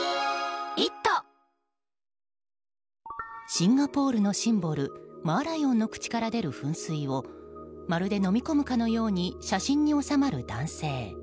シンガポールのシンボルマーライオンの口から出る噴水をまるで飲み込むかのように写真に納まる男性。